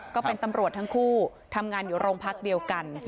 ก็เป็นตำรวจทั้งคู่ทำงานอยู่โรงพักเดียวกัน